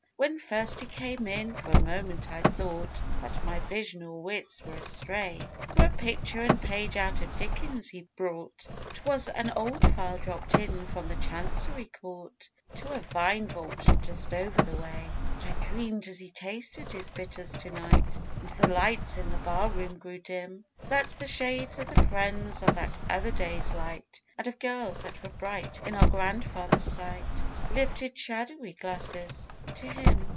When first he came in, for a moment I thought That my vision or wits were astray; For a picture and page out of Dickens he brought, 'Twas an old file dropped in from the Chancery Court To a wine vault just over the way. But I dreamed as he tasted his bitters to night, And the lights in the bar room grew dim, That the shades of the friends of that other day's light, And of girls that were bright in our grandfathers' sight, Lifted shadowy glasses to him.